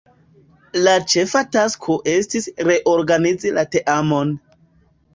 La ĉefa tasko estis reorganizi la teamon.